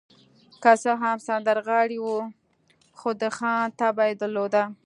که څه هم سندرغاړی و، خو د خان طبع يې درلوده.